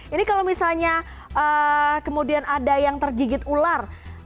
ini kalau misalnya kemudian ada yang tergigit ular